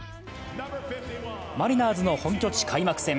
マリナーズの本拠地開幕戦。